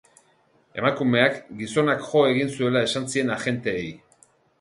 Emakumeak gizonak jo egin zuela esan zien agenteei.